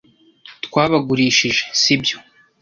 twabagurishije, si byo